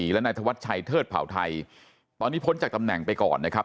และนายธวัชชัยเทิดเผ่าไทยตอนนี้พ้นจากตำแหน่งไปก่อนนะครับ